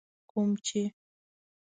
کوم چي